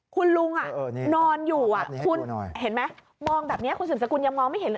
คุณลุงนอนอยู่มองแบบนี้คุณศึนสกุลยังมองไม่เห็น